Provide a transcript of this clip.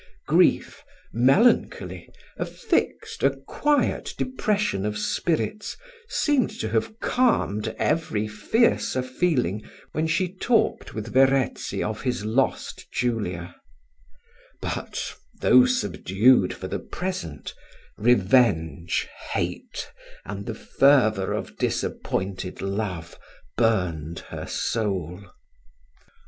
Grief, melancholy, a fixed, a quiet depression of spirits, seemed to have calmed every fiercer feeling, when she talked with Verezzi of his lost Julia: but, though subdued for the present, revenge, hate, and the fervour of disappointed love, burned her soul.